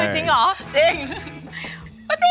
จริงเหรอจริง